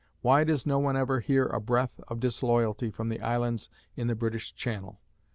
Why does no one ever hear a breath of disloyalty from the Islands in the British Channel?